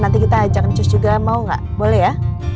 nanti kita ajak ncus juga mau gak boleh ya